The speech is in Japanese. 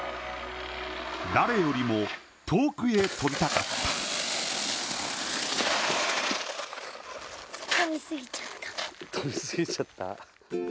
誰よりも遠くへ飛びたかった。